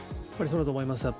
そうだと思います。